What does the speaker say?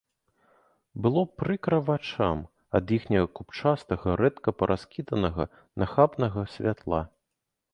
Было прыкра вачам ад іхняга купчастага, рэдка параскіданага, нахабнага святла.